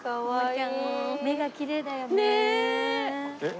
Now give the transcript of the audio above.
目がきれいだよね。